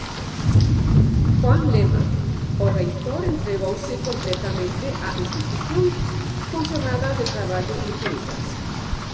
Juan Lema: O reitor entregouse completamente á institución, con xornadas de traballo infinitas.